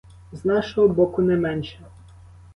З нашого боку не менше.